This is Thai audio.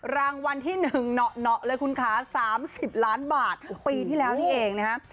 รางวัลที่๑เหนาะเลยคุณคะ๓๐ล้านบาทปีที่แล้วนี่เองนะฮะ